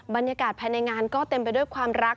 บรรยากาศภายในงานก็เต็มไปด้วยความรัก